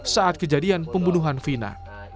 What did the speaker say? saat kejadian pembunuhan vina